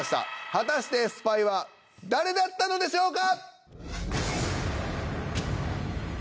果たしてスパイは誰だったのでしょうか？